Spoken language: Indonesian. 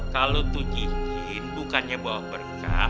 kalo tuh cincin bukannya bawa berkah